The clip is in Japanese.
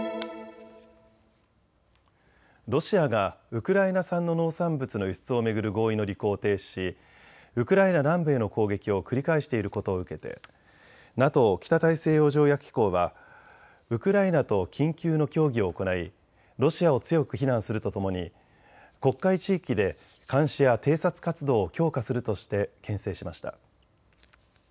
ロシアがウクライナ産の農産物の輸出を巡る合意の履行を停止しウクライナ南部への攻撃を繰り返していることを受けてＮＡＴＯ・北大西洋条約機構はウクライナと緊急の協議を行いロシアを強く非難するとともに黒海地域で監視や偵察活動を強化するとしてけん制しました。